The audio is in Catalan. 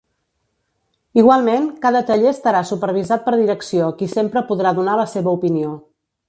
Igualment, cada taller estarà supervisat per direcció qui sempre podrà donar la seva opinió.